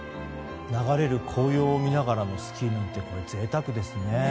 流れる紅葉を見ながらのスキーなんて贅沢ですね。